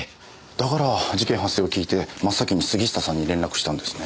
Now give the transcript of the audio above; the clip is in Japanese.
だから事件発生を聞いて真っ先に杉下さんに連絡したんですね。